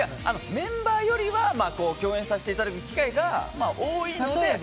メンバーよりは共演させていただく機会が多いので。